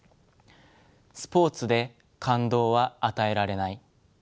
「スポーツで感動は与えられない」。